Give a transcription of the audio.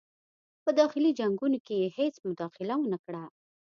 په داخلي جنګونو کې یې هیڅ مداخله ونه کړه.